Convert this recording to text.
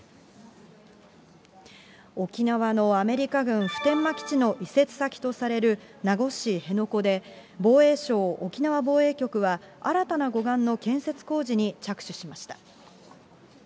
沖縄のアメリカ軍普天間基地の移設先とされる名護市辺野古で、防衛省沖縄防衛局は、新たな護岸の建設工事に着手しました。